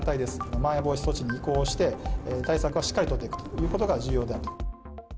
まん延防止措置に移行して、対策はしっかり取っていくということが重要であると。